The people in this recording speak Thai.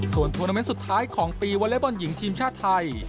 ส่วนทวนาเมนต์สุดท้ายของปีวอเล็กบอลหญิงทีมชาติไทย